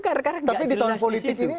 jadi di tahun politik ini